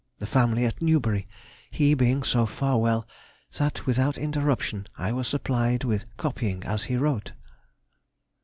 The family at Newbury; he being so far well that without interruption, I was supplied with copying as he wrote.